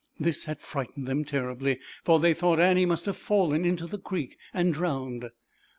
This had fright ened them terribly, for they thought Annie must have fallen into the creek and drowned.